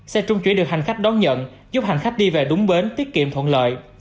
xe trung chuyển được hành khách đón nhận giúp hành khách đi về đúng bến tiết kiệm thuận lợi